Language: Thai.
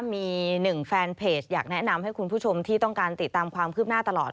มีหนึ่งแฟนเพจอยากแนะนำให้คุณผู้ชมที่ต้องการติดตามความคืบหน้าตลอด